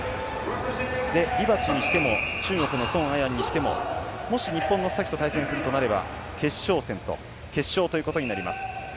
リバチにしても中国のソン・アヤンにしてももし日本の須崎と対戦するとなれば決勝ということになります。